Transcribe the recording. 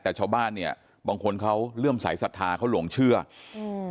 แต่ชาวบ้านเนี้ยบางคนเขาเลื่อมสายศรัทธาเขาหลงเชื่ออืม